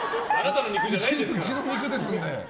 うちの肉ですので。